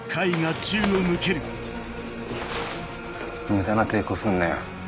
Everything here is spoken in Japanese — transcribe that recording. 無駄な抵抗すんなよ。